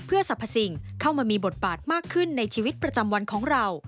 สรรพสิ่งเข้ามามีบทบาทมากขึ้นในชีวิตประจำวันของเรา